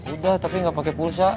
udah tapi ga pake pulsa